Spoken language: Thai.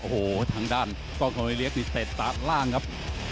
โอ้โหทางด้านกล้องเข้าในเรียกนิดเต็ดตราดล่างครับ